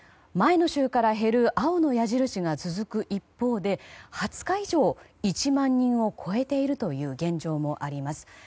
前の週から減る青の矢印が増える一方で２０日以上、１万人を超えているという現状もあります。